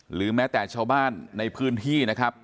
หรือแม้แต่ชาวบ้านในพื้นที่นะครับ